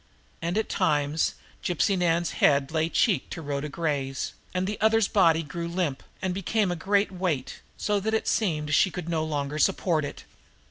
And at times Gypsy Nan's head lay cheek to Rhoda Gray's, and the other's body grew limp and became a great weight, so heavy that it seemed she could no longer support it.